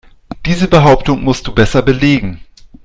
Diese Behauptung musst du besser belegen.